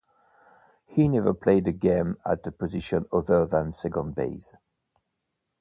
He never played a game at a position other than second base.